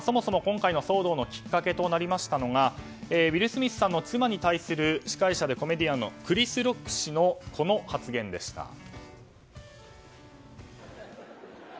そもそも今回の騒動のきっかけとなりましたのがウィル・スミスさんの妻に対する司会者でコメディアンのクリス・ロック氏のこの発言でした。